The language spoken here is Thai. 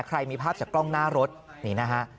ใครมีภาพจากกล้องหน้ารถนี่นะฮะ